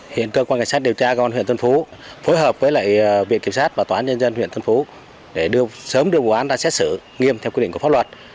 hiện cơ quan cảnh sát điều tra công an huyện tân phú phối hợp với viện kiểm sát và toán nhân dân huyện tân phú để đưa sớm đưa vụ án ra xét xử nghiêm theo quy định của pháp luật